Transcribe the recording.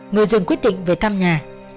người rừng quyết định về thăm nhà